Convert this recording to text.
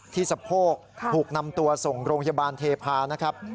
สะโพกถูกนำตัวส่งโรงพยาบาลเทพานะครับ